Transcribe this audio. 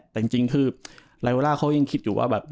แต่จริงคือลายเวล่าเขายังคิดอยู่ว่าแบบ